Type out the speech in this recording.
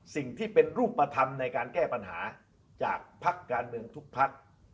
สิ่งที่เป็นรูปธรรมในการแก้ปัญหาจากภักดิ์การเมืองทุกพัก